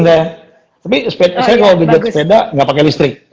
tapi saya kalo ginjot sepeda gak pake listrik